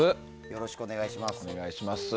よろしくお願いします。